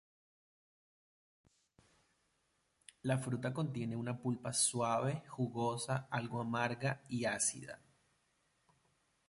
La fruta contiene una pulpa suave, jugosa, algo amarga y ácida.